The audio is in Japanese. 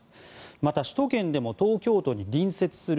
また、首都圏でも東京都に隣接する